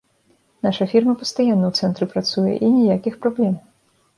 Наша фірма пастаянна ў цэнтры працуе, і ніякіх праблем.